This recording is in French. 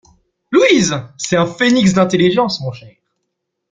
Louise ! c’est un phénix d’intelligence, mon cher.